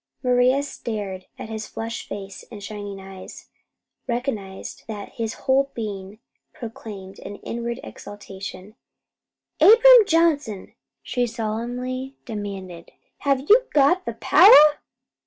Maria, staring at his flushed face and shining eyes, recognized that his whole being proclaimed an inward exultation. "Abram Johnson," she solemnly demanded, "have you got the power?"